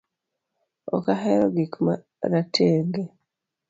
Ok ahero gik maratenge